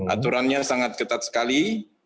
aturannya sangat ketat sekali